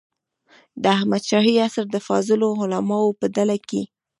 د احمد شاهي عصر د فاضلو علماوو په ډله کې.